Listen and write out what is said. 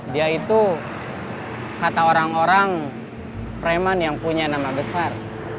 dia itu kata orang orang preman yang punya nama besar